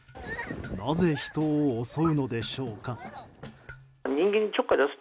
なぜ人を襲うのでしょうか。